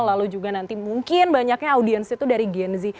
lalu juga nanti mungkin banyaknya audiens itu dari gen z